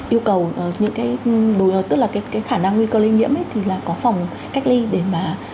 yêu cầu những cái tức là cái khả năng nguy cơ lây nhiễm thì là có phòng cách ly để mà